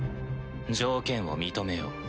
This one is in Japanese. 条件を認めよう。